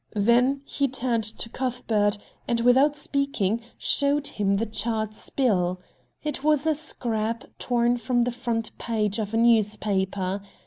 Then he turned to Cuthbert and, without speaking, showed him the charred spill. It was a scrap torn from the front page of a newspaper.